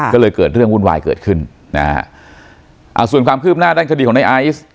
ก็เลยเกิดเรื่องวุ่นวายเกิดขึ้นนะฮะอ่าส่วนความคืบหน้าด้านคดีของในไอซ์